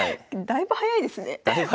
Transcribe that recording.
だいぶ早いですね。